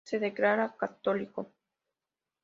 Se declara católico.